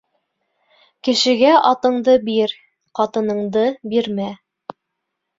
Кешегә атыңды бир, ҡатыныңды бирмә.